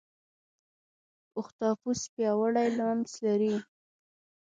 اختاپوس پیاوړی لمس لري.